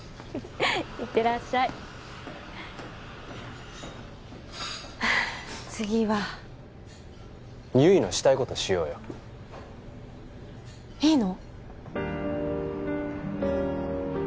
行ってらっしゃいはあ次は悠依のしたいことしようよいいの？